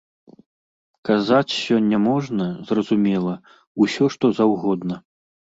Казаць сёння можна, зразумела, усё што заўгодна.